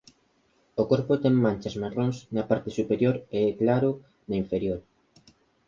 O corpo ten manchas marróns na parte superior e é claro na inferior.